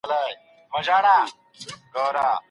مسګري نوی کسب نه دی.